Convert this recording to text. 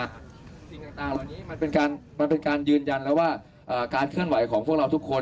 ของการขึ้นไวของเราทุกคน